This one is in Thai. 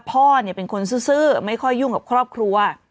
พ่อเป็นคนซื้อไม่ค่อยยุ่งกับครอบครัว